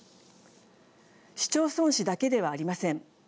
市町村史だけではありません。